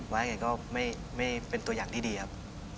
ว่ายังไงก็ไม่เป็นตัวอย่างที่ดีครับ